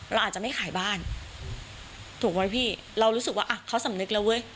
เราอาจจะไม่ขายบ้านถูกไหมพี่เรารู้สึกว่าอ่ะเขาสำนึกแล้วเว้ย